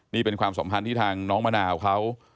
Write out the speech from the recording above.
นี่เป็นความสัมพันธ์ที่ทางน้องมะนาวเขา